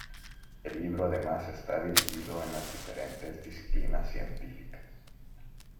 El libro además está dividido en las diferentes disciplinas científicas.